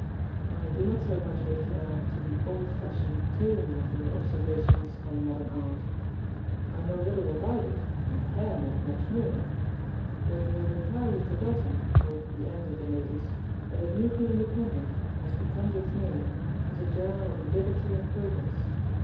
I do not so much refer to the old fashioned tone of your observations on modern art. I know little about it, and care not much more. But you have entirely forgotten, towards the end of the notice, that the "Newcome Independent," as becomes its name, is a journal of Liberty and Progress.